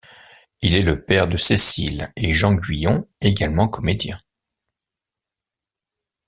Il est le père de Cécile et Jean Guyon, également comédiens.